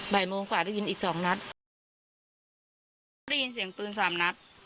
บ่ายโมงกว่าได้ยินอีกสองนัดได้ยินเสียงปืนสามนัด